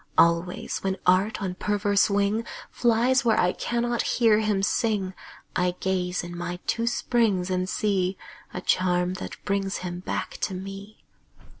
Always, when Art on perverse wing Flies where I cannot hear him sing, I gaze in my two springs and see A charm that brings him back to me.